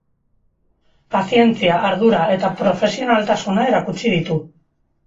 Pazientzia, ardura eta profesionaltasuna erakutsi ditu.